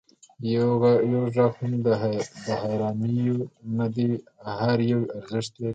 یو غږ هم د هېروانیو نه دی، هر یو ارزښت لري.